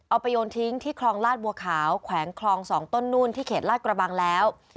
เอาไปโยนทิ้งที่คลองลาดบัวขาวแขวงคลอง๒ต้นนู่นที่เขตลาดกระบังแล้ว